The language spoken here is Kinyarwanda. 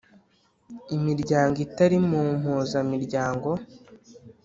imiryango itari mu mpuzamiryango